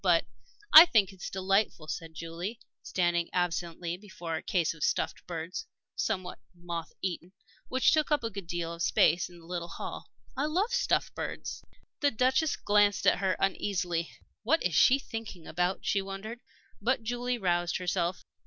But " "I think it's delightful," said Julie, standing absently before a case of stuffed birds, somewhat moth eaten, which took up a good deal of space in the little hall. "I love stuffed birds." The Duchess glanced at her uneasily. "What is she thinking about?" she wondered. But Julie roused herself.